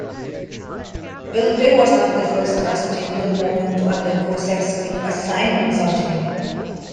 Elbe was not the first transgender woman to undergo sex reassignment surgery.